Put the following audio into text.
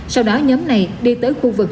sau đó nhóm này đi tới khu vực